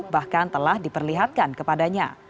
bahkan telah diperlihatkan kepadanya